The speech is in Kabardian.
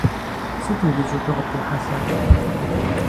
Сыт урищӀыкӀыу къыптехьэлъэр?